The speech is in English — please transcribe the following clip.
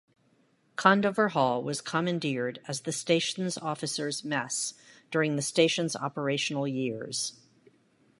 Condover Hall was commandeered as the station's officers' mess during the station's operational years.